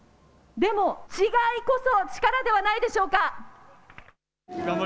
でも、違いこそ力ではないでしょうか。